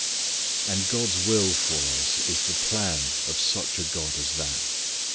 And God's will for us is the plan of such a God as that.